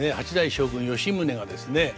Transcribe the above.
将軍吉宗がですね